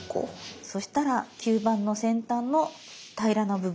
そしたら吸盤の先端の平らな部分。